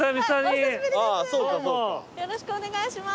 よろしくお願いします。